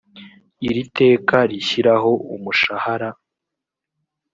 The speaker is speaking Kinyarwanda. iri teka rishyiraho umushahara